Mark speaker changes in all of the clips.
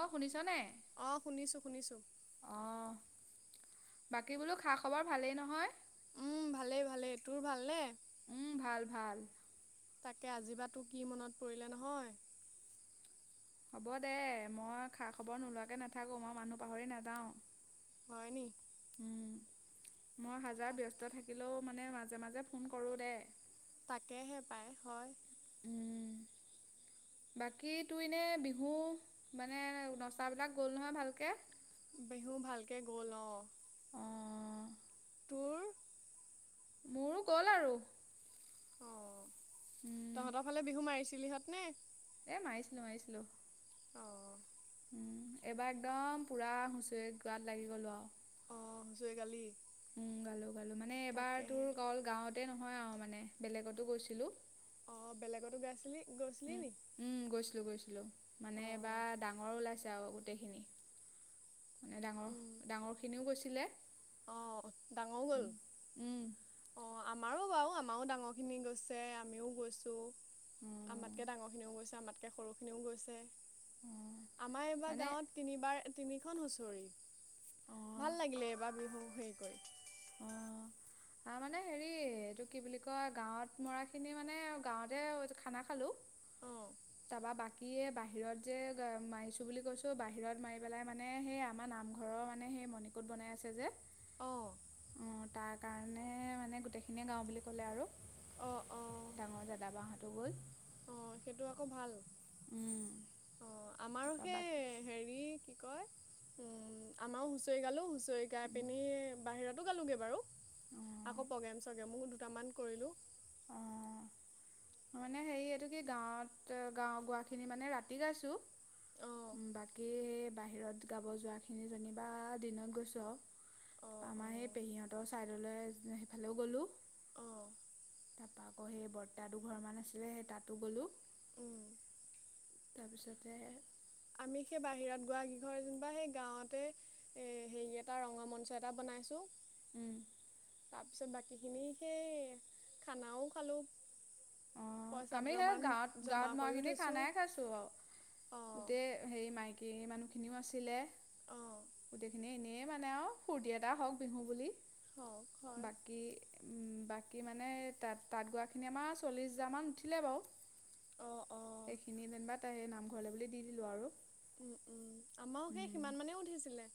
Speaker 1: অ শুনিছ নাই
Speaker 2: অহ শুনিছো শুনিছো
Speaker 1: বাকী বোলো খা খবৰ ভালেই নহয়।
Speaker 2: উম ভালেই ভালেই তোৰ ভাল নে
Speaker 1: উম ভাল ভাল
Speaker 2: তাকে আজি বা তো কি মনত পৰিলে নহয়।
Speaker 1: হ'ব দে মই খা খবৰ নোলোৱাকে নেথাকো মই মানুহ পাহৰি নেযাওঁ।
Speaker 2: হয় নেকি
Speaker 1: মই হাজাৰ
Speaker 2: তাক
Speaker 1: ব্যস্ত থাকিলেও মানে মাজে মাজে ফোন কৰোঁ দে
Speaker 2: তাকেহে পায় হয়
Speaker 1: উম বাকী তো এনেই বিহু মানে নচাবিলাক গ'ল নহয় ভালকে
Speaker 2: বিহু ভালকে গ'ল অ
Speaker 1: অঁ
Speaker 2: তোৰ
Speaker 1: মোৰো গ'ল আৰু
Speaker 2: অ তহঁতৰ ফালে বিহু মাৰিছে পিলিহঁত নে
Speaker 1: এ মাৰিছিলোঁ মাৰিছিলোঁ
Speaker 2: অঁ
Speaker 1: এইবাৰ একদম পূৰা হুঁচৰি গাত লাগি গ'লোঁ আৱ
Speaker 2: অ হুঁচৰি গালি
Speaker 1: উম গালো গালো মানে এবাৰ তোৰ
Speaker 2: তাকেহে
Speaker 1: অকল গাঁৱতে নহ হয় আও মানে বেলেগতো গৈছিলো
Speaker 2: অ বেলেগতো গাইছিলি গৈছিলি
Speaker 1: উম
Speaker 2: নি
Speaker 1: উম গৈছিলো গৈছিলো, মানে
Speaker 2: অঁ
Speaker 1: এবাৰ ডাঙৰ ওলাইছিল যাওঁ গোটেইখিনি মানে ডাঙৰ ডাঙৰ খিনিও গৈছি ছিলে
Speaker 2: অ ডাঙও গ'ল,
Speaker 1: উম
Speaker 2: অ আম আমাৰো বাৰু আমাৰো ডাঙৰ খিনি গৈছে আমিও গৈছো
Speaker 1: অ
Speaker 2: আমাতকে ডাঙৰ খিনিও গৈছে আমাতে তে সৰুখিনিও গৈছে।
Speaker 1: অ
Speaker 2: আমাৰ এইবাৰ
Speaker 1: মানে
Speaker 2: গাঁৱত তিনিবাৰ। তিনিখন হুঁচৰি।
Speaker 1: অ
Speaker 2: ভাল লাগিলে এইবাৰ। সে কৰি
Speaker 1: অ আ মানে হেৰি এইটো কি বুলি কয় গাঁৱত মৰা খিনি মানে গাঁৱতে খানা খালো।
Speaker 2: অঁ
Speaker 1: তাৰপা বাকীয়ে বাহিৰত যে মাৰিছো বুলি কৈছো বাহিৰত মাৰি পেলাই মানে সেই আমাৰ নামঘৰৰ মানে সেই মণিকোট বনাই আছে যে
Speaker 2: অঁ
Speaker 1: অঁ তাক কাৰণে মানে গোটেইখিনিয়ে গাওঁ বুলি ক'লে আৰু
Speaker 2: অঁ অঁ
Speaker 1: ডাঙৰ দাদা-বাহঁতো গ'ল
Speaker 2: অ সেইটো আকৌ ভাল।
Speaker 1: উম,
Speaker 2: অ আমাৰো
Speaker 1: তাৰপৰা
Speaker 2: সে
Speaker 1: বাকী
Speaker 2: হেৰি কয় উম আমাৰও হুচৰি গালো হুচৰি চৰি গাই পিনি বাহিৰত। গালোগে বাৰু
Speaker 1: অঁ
Speaker 2: আকৌ প্ৰগ্ৰেম চগ্ৰেমো দুটামান কৰিলো
Speaker 1: অ ম মানে হেৰি এইটো কি গাঁৱত গাঁও গোৱাখিনি মানে ৰাতি গাইছোঁ।
Speaker 2: অঁ
Speaker 1: বাকী বাহিৰত গাব যোৱাখিনি যেনিবা দিনত গৈছোঁ আৰু।
Speaker 2: অঁ
Speaker 1: তাৰ আমাৰ
Speaker 2: অঁ
Speaker 1: সেই পেহীহঁতৰ চাইদলৈ সিফালেও গ'লো
Speaker 2: অঁ
Speaker 1: তাপা আকৌ হে বৰ্তাত দুঘৰ মান আছিলে সেই তাতো গ'লো।
Speaker 2: উম,
Speaker 1: তাৰপিছতে
Speaker 2: আমি সেই বাহিৰত গোৱা কিঘৰ যেনিবা সেই গাঁৱতে এ হেৰি এটা ৰঙা মঞ্চ এটা বনাইছো
Speaker 1: উম
Speaker 2: তাৰপিছত বাকীখিনি সেই খানাও খালোঁ
Speaker 1: অ
Speaker 2: পইচা
Speaker 1: আমি সিহ
Speaker 2: দুটামান
Speaker 1: গাঁৱত
Speaker 2: জমা
Speaker 1: গাঁৱত মৰা
Speaker 2: কৰিও
Speaker 1: খিনি
Speaker 2: থৈছোঁ
Speaker 1: খানাই খাইছো আৰু
Speaker 2: অঁ
Speaker 1: গোটেই হেৰি মাইকী মানুহখিনিও আছিলে।
Speaker 2: অঁ
Speaker 1: গোটে খিনি। এই মানে আৰু ফূুৰ্তি এটা হওক বিহু বুলি।
Speaker 2: হ ঘৰ
Speaker 1: উম বাকী মানে তাত, তাত গোৱা খিনি আমাৰ চল্লিছ হাজাৰ মান উঠিলে বাৰু,
Speaker 2: অ অ।
Speaker 1: সেইখিনি যেনিবা তাৰেই নামঘৰলে বুলি দি দিলো আৰু।
Speaker 2: উম উম। আমাৰো সেই সিমান মানেও উঠিছিলে।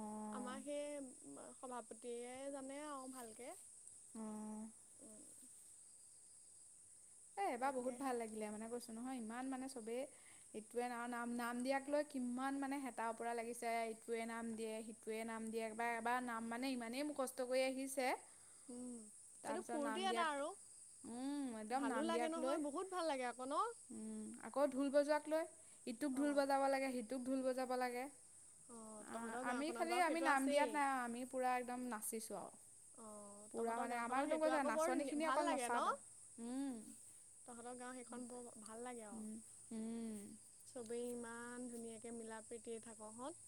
Speaker 1: অঁ
Speaker 2: আমাৰ সেই সভাপতিয়ে জানে আৰু ভালকে।
Speaker 1: অ।
Speaker 2: উম,
Speaker 1: এ এইবাৰ বহুত
Speaker 2: তাকেহে
Speaker 1: ভাল লাগিলে মানে কৈছো নহয় ই ইমান মানে চবেই, ইটোৱে নাম নাম নাম দিয়াক লৈ কিমান মানে হেতা উপৰা লাগিছে, ইটোৱে নাম দিয়ে, সিটোৱে নাম দিয়ে, বা এবাৰ নাম মানে ইমানেই মুখস্থ কৰি আহিছে
Speaker 2: উম এইটো
Speaker 1: তাৰপিছত নাম
Speaker 2: ফূৰ্তি এটা
Speaker 1: দিয়াক,
Speaker 2: আৰু
Speaker 1: উম একদম
Speaker 2: ভালো
Speaker 1: নাম
Speaker 2: লাগে
Speaker 1: ইয়াক
Speaker 2: নহয়
Speaker 1: লৈ।
Speaker 2: বহুত ভাল লাগে আকৌ ন
Speaker 1: উম, আকৌ ঢোল বজোৱা ইয়াক লৈ, ইটোক ঢোল
Speaker 2: অঁ
Speaker 1: বজাব লাগে, সিটোক ঢোল বজাব লাগে
Speaker 2: অঁ
Speaker 1: অ
Speaker 2: তহঁতৰ
Speaker 1: আমি
Speaker 2: গাঁওখনত
Speaker 1: খালি
Speaker 2: বাৰু
Speaker 1: আমি
Speaker 2: সেইটো
Speaker 1: নাম
Speaker 2: আছেই
Speaker 1: দিয়াত নাই আৰু, আমি পুৰা একদম নাচিছো আৰু।
Speaker 2: অঁ
Speaker 1: পুৰা
Speaker 2: তহঁতৰ
Speaker 1: মানে
Speaker 2: গাঁওখনত
Speaker 1: আমাক একদম
Speaker 2: সেইটো
Speaker 1: কৈছো নহয়,
Speaker 2: আকৌ বৰ
Speaker 1: নাচনী
Speaker 2: ধুনীয়া
Speaker 1: খিনিয়ে
Speaker 2: ভাল
Speaker 1: অকল
Speaker 2: লাগে ন
Speaker 1: নচাটো, উম।
Speaker 2: তহঁতৰ গাও সেইখন
Speaker 1: বহুত
Speaker 2: বৰ ভাল লাগে আক,
Speaker 1: উম উম
Speaker 2: চব তে ইমান ধুনীয়াকে মিলা প্ৰীতিয়ে থাক হত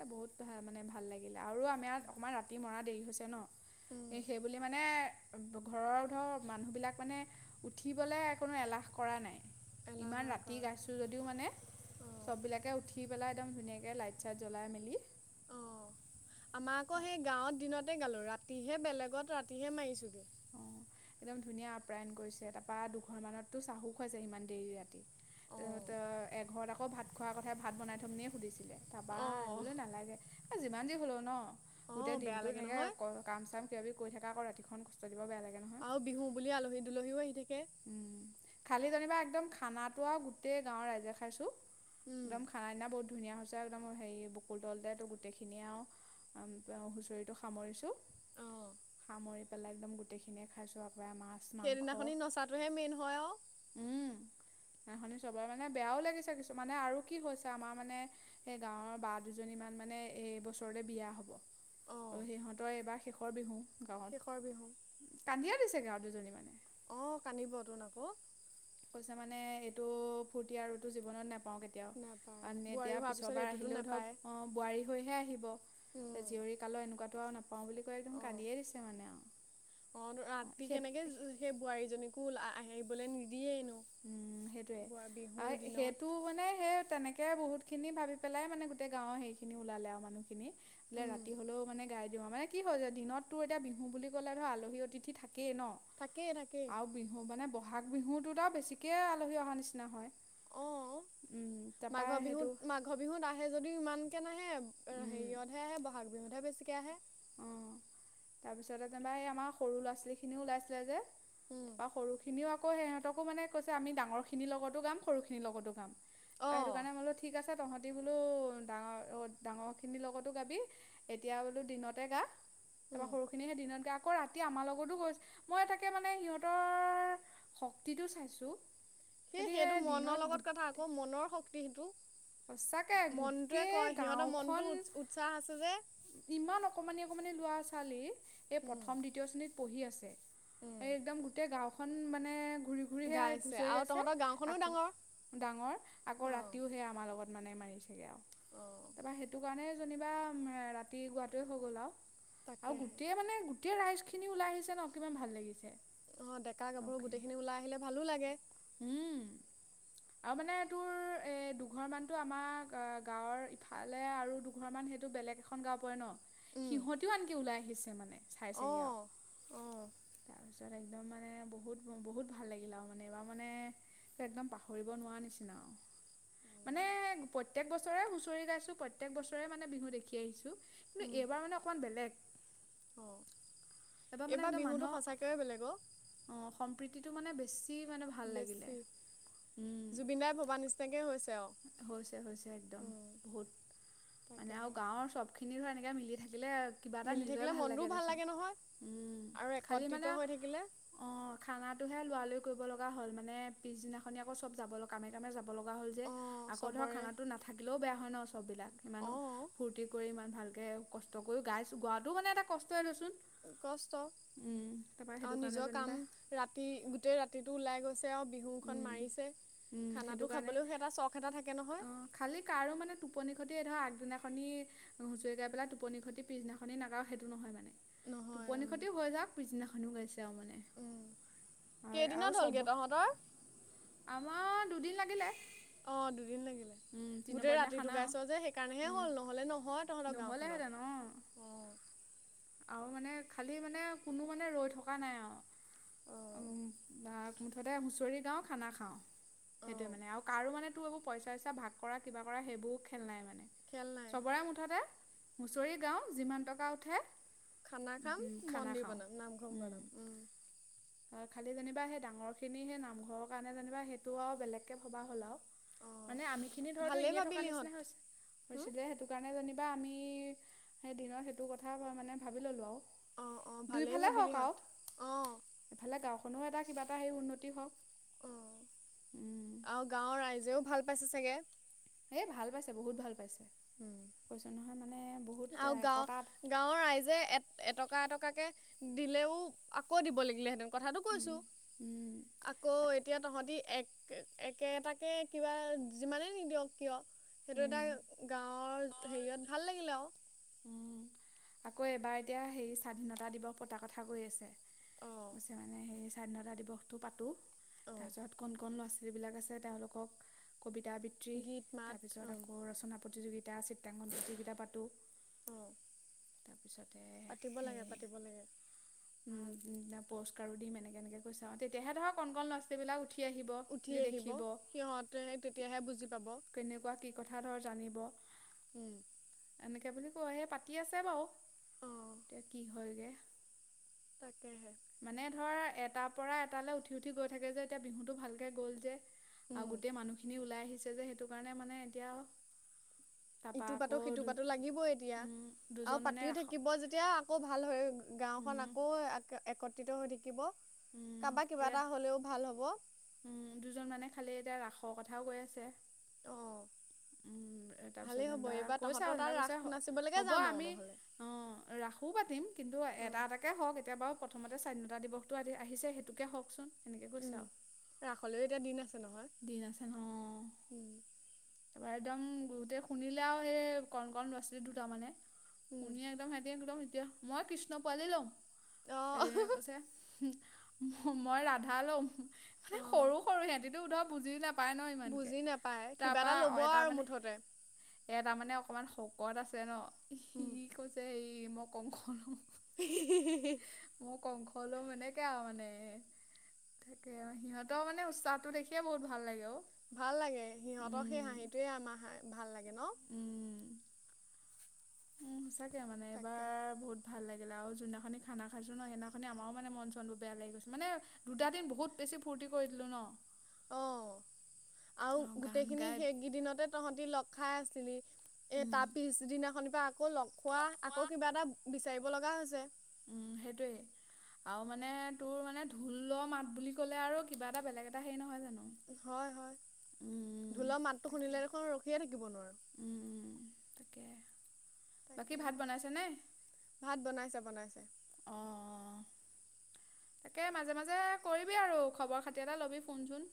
Speaker 1: এ বহুত ভা মানে ভাল লাগিলে। আৰু আমাৰ অকণমান ৰাতি মৰা দেৰি হৈছে ন,
Speaker 2: উম।
Speaker 1: সেইবুলি মানে ঘৰৰ ধৰা মানুহবিলাক মানে উঠিবলৈ এ কোনো এলাহ কৰা নাই।
Speaker 2: এলাহ
Speaker 1: ইমান
Speaker 2: নাই
Speaker 1: ৰাতি
Speaker 2: কৰা
Speaker 1: গাইছোঁ যদিও মানে
Speaker 2: অঁ
Speaker 1: চব বিলাকে উঠি পেলাই একদম ধুনীয়াকে লাইট চাইট জ্বলাই মেলি
Speaker 2: অঁ আমাৰ আকৌ সেই গাঁৱত দিনত তে গালো। ৰাতিহে, বেলেগত ৰাতিহে মাৰিছোগে।
Speaker 1: অঁ একদম ধুনীয়া আপ্যায়ন কৰিছে তাৰপৰা দুঘৰমানতো চাহো খুৱাইছে সিমান দেৰি ৰাতি।
Speaker 2: অঁ
Speaker 1: তাৰপিছত এঘৰত আকৌ ভাত খোৱাৰ কথাই ভাত বনাই থ'ম নেকিয়ে সুধিছিলে। তাৰ পৰা, আমি
Speaker 2: অঁ
Speaker 1: বোলো নালাগে এ যিমান যি হলেও ন
Speaker 2: অঁ
Speaker 1: গোটেই
Speaker 2: বেয়া
Speaker 1: দিনতো
Speaker 2: লাগে
Speaker 1: তেনেকে
Speaker 2: নহয়
Speaker 1: কাম চাম কিবি কিবি কৰি থকা আকৌ ৰাতিখন দিব বেয়া লাগে নহয়
Speaker 2: আৰু বিহু বুলি আলহী দুলহীও আহি থা কে।
Speaker 1: খালি যেনিবা একদম খানাটো আৰু গোটেই গাঁৱৰ ৰাইজে খাইছোঁ।
Speaker 2: উম
Speaker 1: [unintelligible] ধুনীয়া হৈছে একদম হেৰি বকুল তলতেটো গোটেইখিনিয়ে আৰু হুঁচৰিটো সামৰিছো,
Speaker 2: অঁ
Speaker 1: সামৰি পেলাই একদম গোটেইখিনিয়ে খাইছো আৰু। মাছ-মাংস
Speaker 2: টোহে মেইন হয় আৰু।
Speaker 1: উম, নাচনী চবৰে মানে বেয়াও লাগিছে কিছুমানে আৰু কি হৈছে আমাৰ মানে সেই গাঁৱৰ বা দুজনীমান মানে এ এইবছৰতে বিয়া হ'ব। অ,
Speaker 2: অঁ
Speaker 1: সিহঁতৰ এইবাৰ শেষৰ বিহু। গাঁৱত,
Speaker 2: শেষৰ বিহু
Speaker 1: কান্দিয়ে ছে গাঁৱ দুজনী মানে।
Speaker 2: অ কান্দিবতোন আকৌ।
Speaker 1: কৈছে মানে এইটো ফূৰ্তি আৰুটো জীৱনত নাপ পাওঁ কেতিয়াও
Speaker 2: নাপায়
Speaker 1: কাৰণ
Speaker 2: বোৱাৰী
Speaker 1: এতিয়া
Speaker 2: হোৱাৰ
Speaker 1: পিছৰ
Speaker 2: পিছত
Speaker 1: বাৰ
Speaker 2: এইটোতো
Speaker 1: আহিলেও
Speaker 2: নাপায়
Speaker 1: ধৰক অ বোৱাৰী লৈহে আহিব।
Speaker 2: উম
Speaker 1: জীয়ৰী কালো এনেকুৱা [unintelligible] পাওঁ বুলি কয় একদম
Speaker 2: অঁ
Speaker 1: কান্দিয়ে দিছে মানে
Speaker 2: অঁ
Speaker 1: আৰু, সেইটো
Speaker 2: স্কুল আনিবলৈ নিদিয়েই
Speaker 1: উম সেইটোয়ে
Speaker 2: বিহু
Speaker 1: আৰু
Speaker 2: দিনত
Speaker 1: সেইটো মানে সেই তেনেকে তাকে বহুতখিনি ভাবি পেলাই মানে গোটেই গাঁৱৰ হেইখিনিও ওলালে আৰু মানুহখিনি বোলে
Speaker 2: উম
Speaker 1: ৰাতি হ'লেও মানে গাই দিওঁ আৰু মানে কি হ'ল যে দিনতো এতিয়া বিহু বুলি ক'লে ধৰ আলহী অতিথি থাক কেই ন
Speaker 2: থাকেই থাকেই
Speaker 1: আৰু বিহু মানে বহাগ বিহুটোত আৰু বেছি ঠিকে আলহী অহাৰ নিচিনা হয়।
Speaker 2: অঁ,
Speaker 1: উম তাৰপৰা
Speaker 2: মাঘৰ
Speaker 1: সেইটো
Speaker 2: বিহুত মাঘ বিহুত আহে যদিও ইমান [unintelligible] [unintelligible]
Speaker 1: উম
Speaker 2: হেৰিয়তহে আহে বহাগ বিহুতহে বেছি। [unintelligible]
Speaker 1: তাৰপিছতে যেনিবা এই আমাৰ সৰু ল'ৰা ছোৱালী খিনিও ওলাইছিলে যে।
Speaker 2: উম,
Speaker 1: [unintelligible] সৰু খিনিও আকৌ সিহঁতকো মানে কৈছে আমি ডাঙৰখিনিৰ লগতো গাম সৰুখিনিৰ লগতো গাম। আৰু সেইটো
Speaker 2: অ',
Speaker 1: কাৰণে বোলো ঠিক আছে। [unintelligible] তহঁতি বোলো ডাঙৰ অ ডাঙৰ খিনিৰ লগতো গাবি এতিয়া বোলো দিনতে গা। তাৰপা
Speaker 2: উম,
Speaker 1: সৰু খিনি সেই দিনত গ আকৌ ৰাতি আমাৰ লগতো গৈ, মই তাকে মানে সিহঁতৰ শক্তিটো চাইছো।
Speaker 2: সেই সেইটো মনৰ লগত কথা আকৌ মনৰ শক্তি সেইটো।
Speaker 1: সচাকে
Speaker 2: মনটোৱে
Speaker 1: গোটেই
Speaker 2: কয় সিহঁতৰ মনটো
Speaker 1: গাওখন
Speaker 2: উৎসাহ আছে যে।
Speaker 1: ইমান অকমানি অকমানি লৱা ছোৱালি এই
Speaker 2: উম,
Speaker 1: প্ৰথম দ্বিতীয় শ্ৰেণীত পঢ়ি আছে
Speaker 2: উম,
Speaker 1: এই একদম গোটেই গাও একদম মানে ঘূৰি ঘূৰিহে আৰু
Speaker 2: গাইছে
Speaker 1: হুচৰি গৈছে
Speaker 2: তহঁতৰ গাঁওখনো
Speaker 1: আকৌ
Speaker 2: ডাঙৰ।
Speaker 1: ডাঙৰ আকৌ
Speaker 2: অ',
Speaker 1: ৰাতিও সে আমাৰ লগত লগ মানে মাৰি চগে আৰু
Speaker 2: অ',
Speaker 1: তাৰপা সেইটো কাৰণে যেনিবা ৰাতি গোৱাটোৱে হৈ গ'ল আৰু আৰু
Speaker 2: তাকেহে
Speaker 1: গোটেই মানে এতিয়া ৰাইচখিনি ওলাই আহিছে ন কিমান ভাল লাগিছে
Speaker 2: অহ, ডেকা গাভৰু
Speaker 1: চবখিনি
Speaker 2: গোটেইখিনি ওলাই আহিলে ভালো লাগে।
Speaker 1: উম, আৰু মানে তোৰ এ দুঘৰ মানতো আমাৰ গাঁৱৰ ইফালে আৰু দুঘৰ মান সেইটো বেলেগ এখন গাও পৰে ন।
Speaker 2: উম,
Speaker 1: সিহতিও আনকি ওলাই আহিছে মানে চাই চেহি আৰু
Speaker 2: অ', অ',
Speaker 1: তাৰ পিছত একদম মানে বহুত- বহুত ভাল লাগিল আৰু মানে। ত মানে একদম পাহৰিব নোৱাৰ নিচিনা। মানে প্ৰত্যেক বছৰে হুচৰি গাইছো প্ৰত্যেক বছৰে মানে বিহু দেখি আহিছো। কিন্তু এইবাৰ মানে অকণমান বেলেগ।
Speaker 2: অহ,
Speaker 1: মানে
Speaker 2: এইবাৰ
Speaker 1: একদম
Speaker 2: বিহুটো সচাকৈয়ে বেলেগ অহ।
Speaker 1: প্ৰীতিটো মানে বেছি। মানে ভাল লাগিলে
Speaker 2: বেছি
Speaker 1: উম
Speaker 2: জুবিন দাই ভবা নিচিনাকে হৈছে আৰু।
Speaker 1: হৈছে- হৈছে একদম
Speaker 2: উম
Speaker 1: বহুত মানে আৰু
Speaker 2: তাকেহে।
Speaker 1: গাৱৰ চবখিনি ধৰ এনেকে মিলি থাকিলে কিবা এটা
Speaker 2: মিলি
Speaker 1: নিজৰে
Speaker 2: থাকিলে
Speaker 1: ভাল
Speaker 2: মনটোও
Speaker 1: লাগে দেচোন
Speaker 2: নহয়
Speaker 1: উম,
Speaker 2: আৰু
Speaker 1: খালি
Speaker 2: একত্ৰিত
Speaker 1: মানে
Speaker 2: হৈ থাকিলে
Speaker 1: অহ খানাটোহে লৰালৰি কৰিব লগা হ'ল মানে পিছদিনাখনে আকৌ চব যাব কামে - কামে যাব লগা হ'ল যে
Speaker 2: অঁ
Speaker 1: আকৌ ধৰ
Speaker 2: চবৰে
Speaker 1: খানাটো নাথাকিলেও বেয়া হয় ন চবিলাক ইমানো
Speaker 2: অঁ
Speaker 1: ফুৰ্তি কৰি ইমান ভালকে কষ্ট কৰিও গাইছো। গোৱাতো মানে এটা কষ্ট
Speaker 2: কষ্ট
Speaker 1: তাৰপৰা
Speaker 2: আৰু
Speaker 1: সেইটো কাৰণে
Speaker 2: নিজৰ কাম
Speaker 1: যেনিবা
Speaker 2: ৰাতি গোটেই ৰাতিটো ওলাই গৈ আছে আৰু বিহুখন
Speaker 1: উম,
Speaker 2: মাৰিছে
Speaker 1: উম, সেইটো
Speaker 2: খানাটো
Speaker 1: কাৰণে
Speaker 2: খাবলৈও সেটা চখ এটা থাকে নহয়।
Speaker 1: তে ধৰ আগদিনাখনি হুচৰি গাই পেলাই টোপনি খতি পিছদিনাখনি নাগাও সেইটো নহয় মানে।
Speaker 2: নহয়
Speaker 1: টোপনি
Speaker 2: উম
Speaker 1: ক্ষতি হৈ যাওক পিছদিনাখন তেওঁ মানে
Speaker 2: উম।
Speaker 1: আৰু চব আমাৰ দুদিন লাগিলে
Speaker 2: অহ, দুদিন লাগিলে
Speaker 1: উম তিনি নম্বৰ
Speaker 2: গোটেই
Speaker 1: দিনা
Speaker 2: ৰাতিটো
Speaker 1: খানা আৰু
Speaker 2: গাইছ যে সেইকাৰণেহে
Speaker 1: উম
Speaker 2: হ'ল নহলে নহয় তহতৰ
Speaker 1: নহ'লেহেঁতেন অ
Speaker 2: গাওখনত অহ।
Speaker 1: আৰু মানে খালী মানে কোনো মানে ৰৈ থকা নাই
Speaker 2: অঁ
Speaker 1: আৰু মুঠতে হুচৰি গাও খানা খাও। সেইটোৱে
Speaker 2: অঁ
Speaker 1: মানে আৰু কাৰো মানে তোৰ এইবোৰ পইচা চইচা ভাগ কৰা কিবা কৰা সেইবোৰ খেল নাই মানে।
Speaker 2: খেল নাই
Speaker 1: চবৰে মুঠতে হুচৰি গাও যিমান টকা উঠে
Speaker 2: খানা খাম
Speaker 1: উম, খানা
Speaker 2: মন্দিৰ
Speaker 1: খাওঁ
Speaker 2: বনাম নামঘৰ বনাম উম।
Speaker 1: খালি যেনিবা সেই ডাঙৰখিনি সেই নামঘৰৰ কাৰণে যেনিবা সেইটোও আৰু বেলেগকে ভবা হল আৰু।
Speaker 2: অঁ
Speaker 1: মানে আমি খিনি ধৰতো
Speaker 2: ভালেই
Speaker 1: এনেই থকা
Speaker 2: ভাবিলিহঁত
Speaker 1: নিচিনা হৈছে
Speaker 2: হুম
Speaker 1: হৈছিলে সেইটো কাৰণে জানি। বা আমি সেই দিনত সেইটো কথা কও মানে। ভাবি ললো আৰু।
Speaker 2: অ', অ', ভালেই
Speaker 1: দুইফালে হওক
Speaker 2: ভাবিলিহঁত
Speaker 1: আৰু
Speaker 2: অ',
Speaker 1: এফালে গাও। কোনো এটা কিবা এটা হেই উন্নতি হওক।
Speaker 2: অহ, আৰু গাৱৰ ৰাইজেও ভাল পাইছে চাগে।
Speaker 1: এই ভাল পাইছে বহুত ভাল পাইছে। কৈছো নহয়। মানে বহুত
Speaker 2: আৰু গাঁও
Speaker 1: একতাত
Speaker 2: গাঁওৰ ৰাইজে এ এটকা এটকা। দিলেও আকৌ দিব লাগিলে সেঁন। কথাতটো কৈছো আকৌ
Speaker 1: তাকে
Speaker 2: এতিয়া তহঁতি এক। একেটাকে কিবা যিমানে নিদিয়ক কিয়। সেইটো এটা গাঁৱৰ। হেৰিয়াত ভাল লাগিলে আৰু।
Speaker 1: উম আকৌ এবাৰ এতিয়া হে স্বাধীনতা দিৱস পতা কথা কৈ আছে।
Speaker 2: অ',
Speaker 1: গ মানে সেই। স্বাধীনতা দিৱসটো পাতোঁ
Speaker 2: অ',
Speaker 1: তাৰপিছত কণ কণ ল'ৰা ছোৱালীবিলাক আছে তেওঁলোকক। কবিতা আবৃত্তি
Speaker 2: গীত মাত
Speaker 1: তাৰপিছত
Speaker 2: অ',
Speaker 1: আকৌ ৰচনা প্ৰতিযোগীতা। া চিত্ৰাং য কেইটা পাতো।
Speaker 2: অ',
Speaker 1: [unintelligible] দিম
Speaker 2: পাতিব লাগে পাতিব লাগে ভাল
Speaker 1: এনেকে এনেকৈছা আৰু তেয়াহে ধৰক ক লৰা ছাল
Speaker 2: উঠি আহিব সিহতে তেতিয়াহে বুজি পাব।
Speaker 1: কেনে গুৱাহাটী। কথা ধৰ জানিব।
Speaker 2: উম
Speaker 1: এনেকে বুলি কয় সেই পাতি আছে বাৰু।
Speaker 2: অ',
Speaker 1: এতিয়া কি হয়গৈ।
Speaker 2: তহ
Speaker 1: মানে ধৰ এটাৰ পৰা এটালৈ উঠি উঠি গৈ থাকে যে এতিয়া বিহুতটো ভালকে গ'ল যে। আৰু
Speaker 2: উম,
Speaker 1: গোটেই মানুহ খিনি ওলাই আহিছিল। সেইটো কাৰণে মানে এতিয়া। তাৰপা
Speaker 2: ইটো পাতো
Speaker 1: আকৌ
Speaker 2: সিটো
Speaker 1: দু
Speaker 2: পাতো লাগিবই এতিয়া
Speaker 1: উম
Speaker 2: আৰু
Speaker 1: দুজন মানে
Speaker 2: পাতিও
Speaker 1: ৰাস
Speaker 2: থাকিব যেতিয়া আকৌ ভাল হৈ। গাঁওখন
Speaker 1: উম
Speaker 2: আকৌ এক একত। হৈ থাকিব।
Speaker 1: উম
Speaker 2: কাবা কিবা
Speaker 1: এতিয়া
Speaker 2: এটা হলেও ভাল হ'ব।
Speaker 1: উম দুজন মানে খালি এতিয়া, ৰাসৰ কথাও কৈ আছে।
Speaker 2: অ',
Speaker 1: উম তাৰ পিছত
Speaker 2: ভালেই হ'ব
Speaker 1: যেনিবা
Speaker 2: এইবাৰ
Speaker 1: কৈছে
Speaker 2: তহঁতৰ তাত
Speaker 1: আৰু
Speaker 2: ৰাস
Speaker 1: কৈছে
Speaker 2: নাচিবলৈকে
Speaker 1: হ'ব
Speaker 2: যাম আৰু
Speaker 1: আমি
Speaker 2: নহ'লে।
Speaker 1: অ ৰাস'ও পাতিম কিন্তু এটা
Speaker 2: উম।
Speaker 1: এটাকে হওক এতিয়া। প্ৰথমতে স্বাধীনতা দিৱসটো আহিছে সেইটোকে হওকচোন। এনেকৈ কৈছে
Speaker 2: উম
Speaker 1: আৰু
Speaker 2: ৰাসলৈও এতিয়া দিন আছে নহয়।
Speaker 1: দিন আছে ন।
Speaker 2: উম,
Speaker 1: একদম গোতে শুনিলে আৰু সেই কণ কন ল'ৰা ছোৱালী দুটা মানে। শুন
Speaker 2: উম,
Speaker 1: একদম হে দয়া একদম [unintelligible] এতিয়া মই কৃষ্ণ পোৱালি লওঁ।
Speaker 2: অ',
Speaker 1: এজনে কৈছে মই ৰাধা লম। মানে
Speaker 2: অ',
Speaker 1: সৰু-সৰু সিহঁতি। উ [unintelligible] বুজি যা
Speaker 2: বুজি নাপায়। কিবা এটা ল'ব আৰু মুঠতে।
Speaker 1: এ তাৰমানে অকণমান শকত আছে ন। সি
Speaker 2: উম,
Speaker 1: কৈছে হেই কি মই কংস লম।
Speaker 2: [unintelligible]
Speaker 1: মই কংস লও, এনেকে আৰু মানে। তাকে আৰু সিহঁতৰ মানে উটচাহটো দেখি [unintelligible] বহুত ভাল লাগে অ।
Speaker 2: ভাল লাগে সিহঁতক, সেই
Speaker 1: উম
Speaker 2: হাঁহিটোয়ে আমাৰ ভাল লাগে। ন?
Speaker 1: উম। উম সঁচাকে। এতিয়া মানে
Speaker 2: তাকে,
Speaker 1: এইবাৰ বহুত। ভাল লাগিল আৰু যোনদিনাখনি খানা খাইছো ন, সেইদিনাখনি আমাৰো মানে মন চন বোৰ বেয়া লাগি গৈছে, মানে দুটা দিন বহুত বেছি ফূৰ্তি কৰি দিলো ন।
Speaker 2: অঅ। আৰু
Speaker 1: গান
Speaker 2: গোটেই খিনি
Speaker 1: গাই
Speaker 2: সেইকেইদিনতে তহঁতি লগ খাই আছি নি। এ
Speaker 1: উম,
Speaker 2: তাৰ পিছদিনাখনিৰ পৰা আকৌ লগ খোৱা আকৌ কিবা এটা বিচাৰিব লগা হৈছে।
Speaker 1: উম সেইটোয়ে, আৰু মানে তোৰ মানে ঢোলৰ মাত বুলি ক'লে আৰু কিবা এটা বেলেগ এটা হেৰি নহয় জানো?
Speaker 2: হয় হয়
Speaker 1: উম,
Speaker 2: ঢোলৰ মাতটো
Speaker 1: তাকে
Speaker 2: শুনিলে দেখোন ৰখিয়ে থাকিব নোৱাৰোঁ
Speaker 1: উম, তাকে বাকী ভাত
Speaker 2: তাকেহে
Speaker 1: বনাইছেনে?
Speaker 2: ভাত বনাইছে বনাইছে
Speaker 1: অ, তাকে মাজে মাজে কৰিবি আৰু। খবৰ খাতি এটা ল'বি ফোন চোন।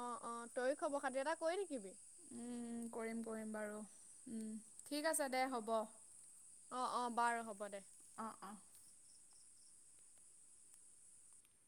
Speaker 2: অ, অ। তইয়ো খবৰ খাতি এটা কৰি থাকিবি।
Speaker 1: উম। কৰিম, কৰিম বাৰু। উম ঠিক আছে দে হ'ব।
Speaker 2: অ, অ। বাৰু হ'ব দে।
Speaker 1: অ, অ।